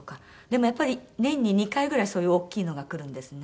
でもやっぱり年に２回ぐらいそういう大きいのがくるんですね。